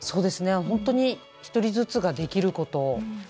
本当に１人ずつができること。